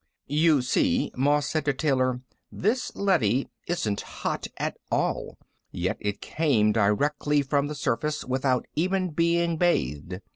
"You see," Moss said to Taylor, "this leady isn't hot at all. Yet it came directly from the surface, without even being bathed."